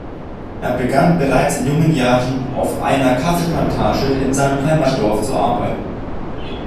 Er begann bereits in jungen Jahren auf einer Kaffeeplantage in seinem Heimatdorf zu arbeiten.